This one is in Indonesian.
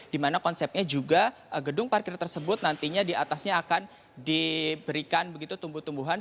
dimana konsepnya juga gedung parkir tersebut nantinya diatasnya akan diberikan begitu tumbuh tumbuhan